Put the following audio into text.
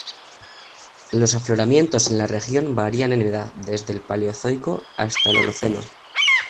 Los afloramientos en la región varían en edad desde el Paleozoico hasta el Holoceno.